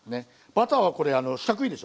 バターはこれ四角いでしょ。